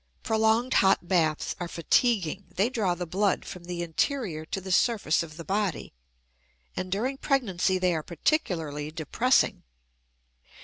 Prolonged hot baths are fatiguing. They draw the blood from the interior to the surface of the body; and during pregnancy they are particularly depressing.